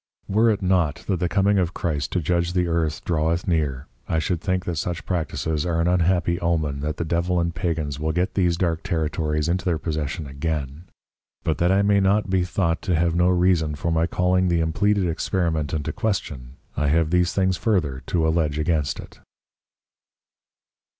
Were it not that the coming of Christ to judge the Earth draweth near, I should think that such Practices are an unhappy Omen that the Devil and Pagans will get these dark Territories into their Possession again: But that I may not be thought to have no reason for my calling the impleaded Experiment into Question, I have these things further to alledge against it.